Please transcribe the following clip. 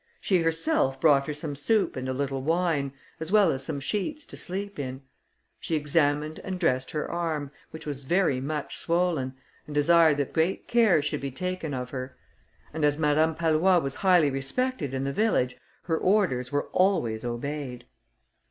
She herself brought her some soup and a little wine, as well as some sheets to sleep in: she examined and dressed her arm, which was very much swollen, and desired that great care should be taken of her; and as Madame Pallois was highly respected in the village, her orders were always obeyed.